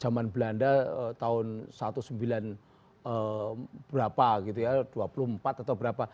jaman belanda tahun sembilan belas berapa gitu ya dua puluh empat atau berapa